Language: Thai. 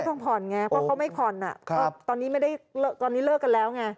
ต้องผ่อนไงเพราะเขาไม่ผ่อนตอนนี้เลิกกันแล้วไง